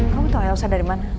kamu tahu elsa dari mana